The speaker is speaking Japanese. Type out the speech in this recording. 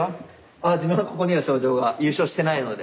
あ自分はここには賞状は優勝してないので。